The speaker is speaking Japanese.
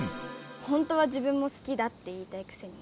ほんとは自分も好きだって言いたいくせに。